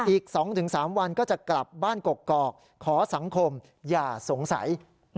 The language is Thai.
อีกสองถึงสามวันก็จะกลับบ้านกรอกขอสังคมอย่าสงสัย